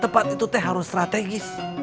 tepat itu teh harus strategis